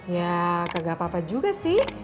ya gak apa apa juga sih